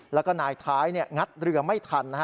แล้วก็นายท้ายงัดเรือไม่ทัน